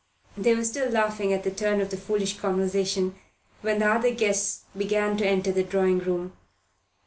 They were still laughing at the turn of the foolish conversation when the other guests began to enter the drawing room.